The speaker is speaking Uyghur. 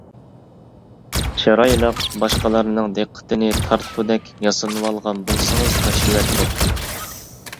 چىرايلىق، باشقىلارنىڭ دىققىتىنى تارتقۇدەك ياسىنىۋالغان بولسىڭىز تاشلىۋەتمەيتتى.